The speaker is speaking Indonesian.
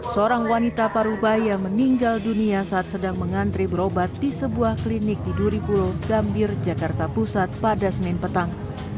seorang wanita parubaya meninggal dunia saat sedang mengantri berobat di sebuah klinik di duribulo gambir jakarta pusat pada senin petang